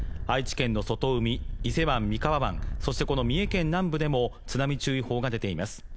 愛知県の外海、伊勢湾三河湾そしてこの三重県南部でも、津波注意報が出ています。